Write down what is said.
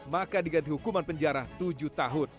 maka diganti hukuman penjara tujuh tahun